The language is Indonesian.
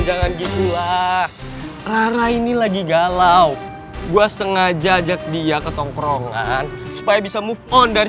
jangan gitu lah rara ini lagi galau gue sengaja ajak dia ke tongkrongan supaya bisa move on dari